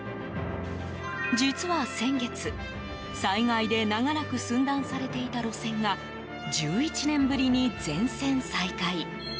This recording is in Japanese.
実は先月、災害で長らく寸断されていた路線が１１年ぶりに全線再開。